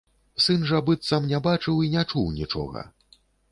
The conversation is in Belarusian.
Сын жа быццам не бачыў і не чуў нічога.